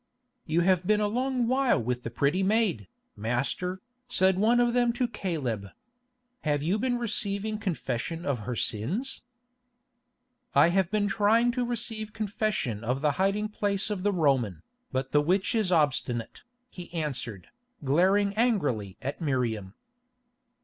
"You have been a long while with the pretty maid, master," said one of them to Caleb. "Have you been receiving confession of her sins?" "I have been trying to receive confession of the hiding place of the Roman, but the witch is obstinate," he answered, glaring angrily at Miriam.